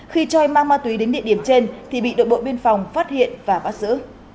khi cho mang ma túy đến địa điểm trên thì bị đội bộ biên phòng phát hiện và bắt giữ